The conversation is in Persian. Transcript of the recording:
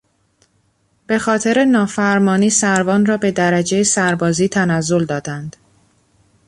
به خاطر نافرمانی سروان را به درجهی سربازی تنزل دادند.